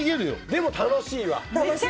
でも、楽しいわ。